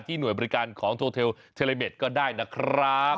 หน่วยบริการของโทเทลเทเลเมดก็ได้นะครับ